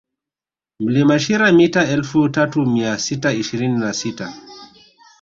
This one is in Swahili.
Mlima Shira mita elfu tatu mia sita ishirini na sita